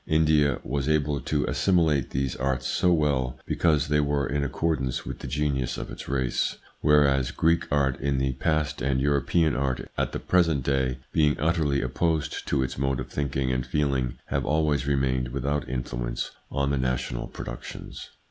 India was able to assimilate these arts so well, because they were in accordance with the genius of ITS INFLUENCE ON THEIR EVOLUTION 123 its race ; whereas Greek art in the past and European art at the present day, being utterly opposed to its mode of thinking and feeling, have always remained without influence on the national productions.